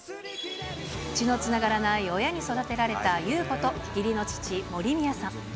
血のつながらない親に育てられた優子と、義理の父、森宮さん。